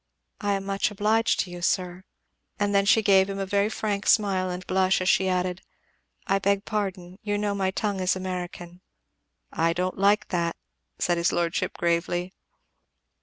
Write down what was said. "I am much obliged to you, sir." And then she gave him a very frank smile and blush as she added, "I beg pardon you know my tongue is American." "I don't like that," said his lordship gravely.